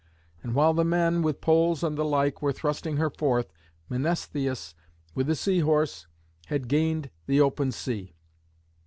And while the men, with poles and the like, were thrusting her forth, Mnestheus with the Sea Horse had gained the open sea.